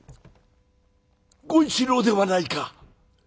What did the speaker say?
「権四郎ではないか。